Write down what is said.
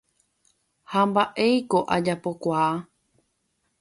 Ha mba'éiko ajapokuaa.